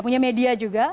punya media juga